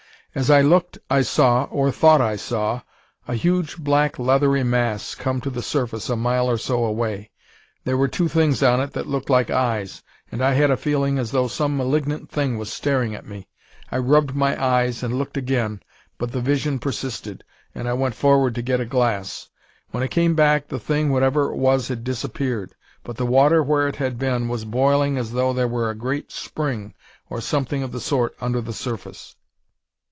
As I looked I saw, or thought I saw, a huge black leathery mass come to the surface a mile or so away. There were two things on it that looked like eyes, and I had a feeling as though some malignant thing was staring at me. I rubbed my eyes and looked again, but the vision persisted, and I went forward to get a glass. When I came back the thing, whatever it was, had disappeared, but the water where it had been was boiling as though there were a great spring or something of the sort under the surface.